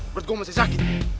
berdua gue masih sakit